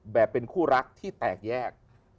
เป็นคู่รักที่แตกแยก